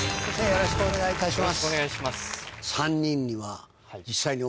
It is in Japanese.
よろしくお願いします。